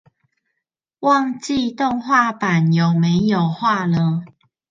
忘記動畫版有沒有畫了